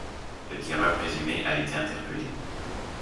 Le tireur présumé a été interpellé.